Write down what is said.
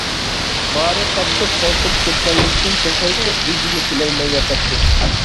مارى قاتتىق قورقۇپ كەتكەنلىكتىن، تېخىچە ئۆزىگە كېلەلمەيۋاتاتتى.